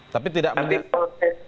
tapi tidak mending